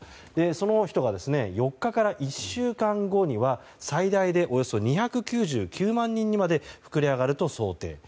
その人が、４日から１週間後には最大でおよそ２９９万人にまで膨れ上がると想定。